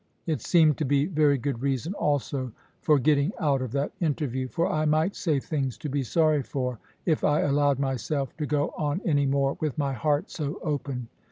It seemed to be very good reason also, for getting out of that interview; for I might say things to be sorry for, if I allowed myself to go on any more with my heart so open.